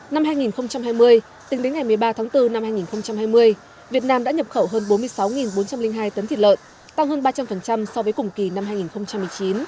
năm hai nghìn hai mươi tính đến ngày một mươi ba tháng bốn năm hai nghìn hai mươi việt nam đã nhập khẩu hơn bốn mươi sáu bốn trăm linh hai tấn thịt lợn tăng hơn ba trăm linh so với cùng kỳ năm hai nghìn một mươi chín